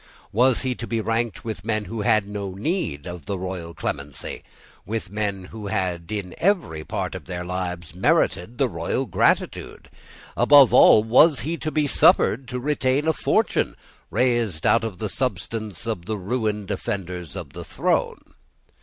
Was he to be ranked with men who had no need of the royal clemency, with men who had, in every part of their lives, merited the royal gratitude? Above all, was he to be suffered to retain a fortune raised out of the substance of the ruined defenders of the throne?